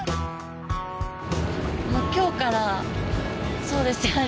もう今日からそうですよね。